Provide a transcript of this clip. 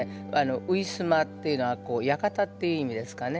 ウィスマっていうのは館っていう意味ですかね。